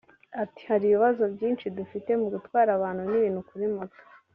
Ati “hari ibibazo byinshi dufite mu gutwara abantu n’ibintu kuri moto